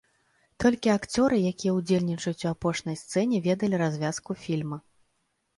Толькі акцёры, якія ўдзельнічаюць у апошняй сцэне, ведалі развязку фільма.